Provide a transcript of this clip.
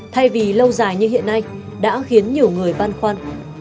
thay vì lâu dài như hiện nay đã khiến nhiều người băn khoăn